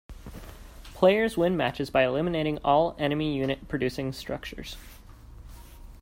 Players win matches by eliminating all enemy unit producing structures.